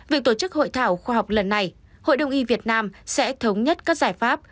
việc tổ chức hội thảo khoa học lần này hội đồng y việt nam sẽ thống nhất các giải pháp